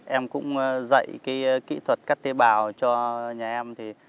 em cũng dạy kỹ thuật cắt tế bào cho nhà em